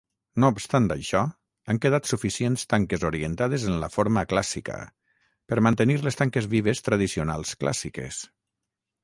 No obstant això, han quedat suficients tanques orientades en la forma clàssica, per mantenir les tanques vives tradicionals clàssiques.